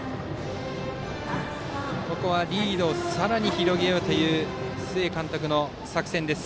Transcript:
ここはリードをさらに広げようという須江監督の作戦です。